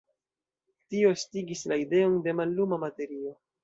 Tio estigis la ideon de malluma materio.